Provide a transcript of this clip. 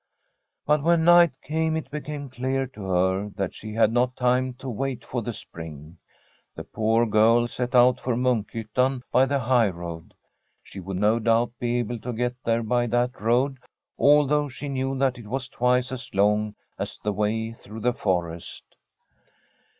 But when night came it became clear to her that she had not time to wait for the spring. The poor girl set out for Munkh3rttan by the high road. She would no doubt be able to get there by that road, although she knew that it was twice as long as the way through the forest.